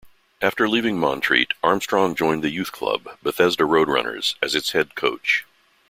After leaving Montreat, Armstrong joined the youth club, Bethesda Roadrunners, as its head coach.